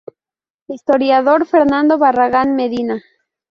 Historiador Fernando Barragán Medina.